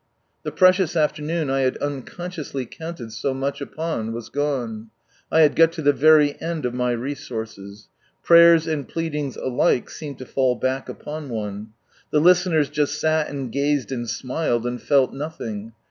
The precious afternoon I had unconsciously counted so much upon was gone; I had got to the very end of my resources. Prayers and pleadings alike seemed to fall back upon one. The listeners just sat and ga/.ed and smiled, and fell nothing.